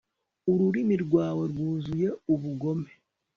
ururimi rwawe rwuzuye ubugome